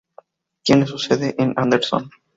Tiene su sede en Anderson.